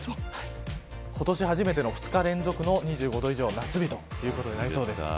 今年初めての２日連続の２５度以上、夏日ということになりそうです。